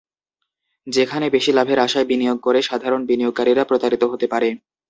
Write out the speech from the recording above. যেখানে বেশি লাভের আশায় বিনিয়োগ করে সাধারণ বিনিয়োগকারীরা প্রতারিত হতে পারে।